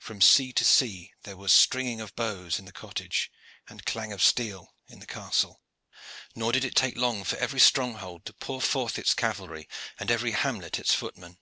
From sea to sea there was stringing of bows in the cottage and clang of steel in the castle. Nor did it take long for every stronghold to pour forth its cavalry, and every hamlet its footmen.